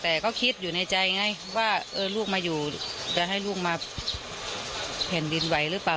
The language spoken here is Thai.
แต่ก็คิดอยู่ในใจไงว่าลูกมาอยู่จะให้ลูกมาแผ่นดินไหวหรือเปล่า